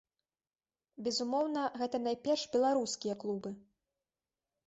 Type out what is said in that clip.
Безумоўна, гэта найперш беларускія клубы.